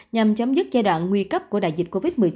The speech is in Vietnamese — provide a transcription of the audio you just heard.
nhằm chấm dứt giai đoạn nguy cấp của đại dịch covid một mươi chín